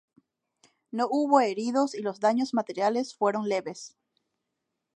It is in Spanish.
No hubo heridos y los daños materiales fueron leves.